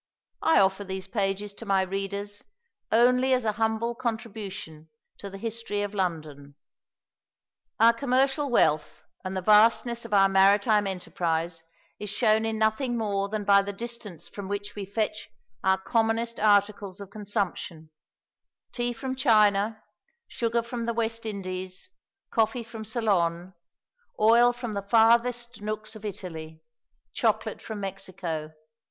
I offer these pages to my readers only as a humble contribution to the history of London. [Illustration: THE BLACK JACK, PORTSMOUTH STREET, LINCOLN'S INN FIELDS.] Our commercial wealth and the vastness of our maritime enterprise is shown in nothing more than by the distance from which we fetch our commonest articles of consumption tea from China, sugar from the West Indies, coffee from Ceylon, oil from the farthest nooks of Italy, chocolate from Mexico.